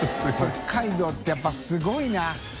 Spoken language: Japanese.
北海道ってやっぱりすごいな。